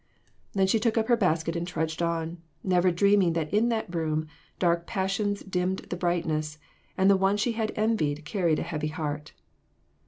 Then she took up her basket and trudged on, never dreaming that in that room, dark passions dimmed the brightness, and the one she had envied carried a heavy heart.